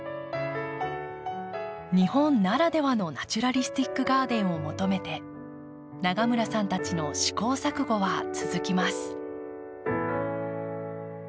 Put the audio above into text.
日本ならではのナチュラリスティックガーデンを求めて永村さんたちの試行錯誤は続きます。